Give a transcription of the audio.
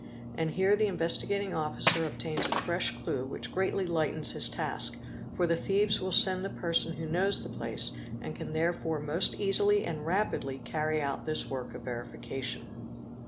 And here the Investigating Officer obtains a fresh clue which greatly lightens his task, for the thieves will send the person who" knows the place and can therefore most easily and rapidly carry out this work of verification.